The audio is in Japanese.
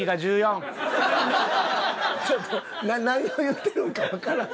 ちょっと何を言ってるんかわからん。